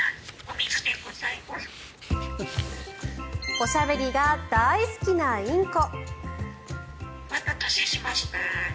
おしゃべりが大好きなインコ。